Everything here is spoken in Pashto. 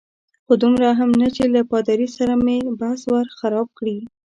خو دومره هم نه چې له پادري سره مې بحث ور خراب کړي.